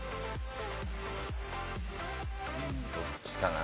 どっちかな？